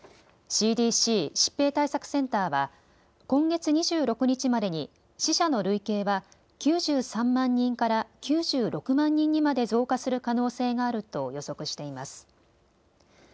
ＣＤＣ・疾病対策センターは今月２６日までに死者の累計は９３万人から９６万人にまで増加する可能性があると予測しています。